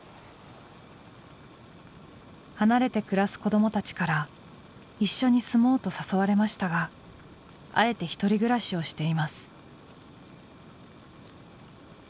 離れて暮らす子どもたちから一緒に住もうと誘われましたがあえて独り暮らしをしています。